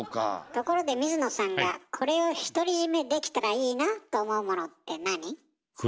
ところで水野さんがこれを独り占めできたらいいなと思うものってなに？